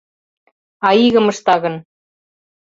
А игым ышта гын?